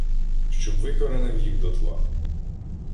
Щоб викоренив їх дотла.